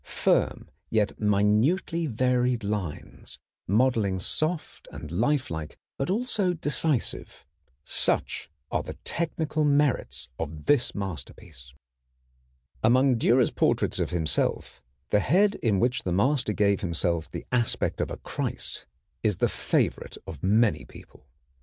Firm yet minutely varied lines, modeling soft and lifelike but also decisive, such are the technical merits of this masterpiece. [Illustration: DÜRER, by himself In the Prado, Madrid.] Among Dürer's portraits of himself, the head in which the master gave himself the aspect of a Christ is the favorite of many people.